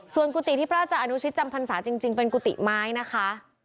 ส่วนกุฏิที่พระอาจารย์อนุชิตจำพรรษาจริงเป็นกุฏิไม้นะคะ